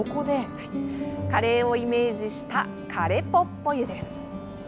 カレーをイメージした「カレポッポ湯」です。